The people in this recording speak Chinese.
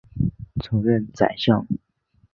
曾任宰相。